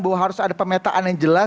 bahwa harus ada pemetaan yang jelas